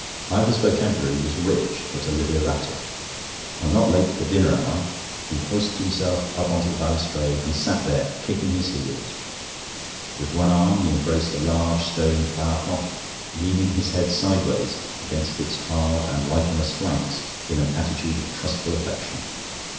Ivor's vocabulary was rich, but a little erratic. "I'm not late for dinner, am I?" He hoisted himself up on to the balustrade, and sat there, kicking his heels. With one arm he embraced a large stone flower pot, leaning his head sideways against its hard and lichenous flanks in an attitude of trustful affection.